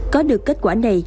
có được kết quả này